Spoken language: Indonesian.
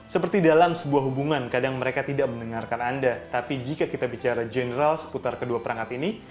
seperti dalam sebuah hubungan kadang mereka tidak mendengarkan anda tapi jika kita bicara general seputar kedua perangkat ini